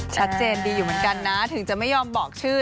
ชัดเจนดีอยู่เหมือนกันนะถึงจะไม่ยอมบอกชื่อ